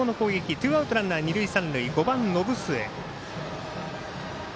ツーアウト、ランナー、二塁三塁５番延末。